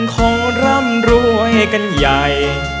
คงร่ำรวยกันใหญ่